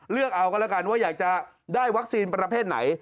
เลือกเอาก็แล้วกันว่าอยากจะได้วัคซีนประเภทไหน